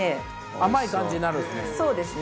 甘い感じになるんですね。